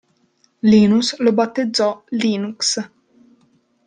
Linus lo battezzò Linux.